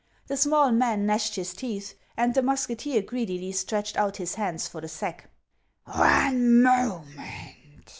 The small man gnashed his teeth, and the musketeer greedily stretched out his hands for the sack. " One moment